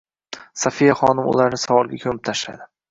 Sofiya xonim ularni savolga ko`mib tashladi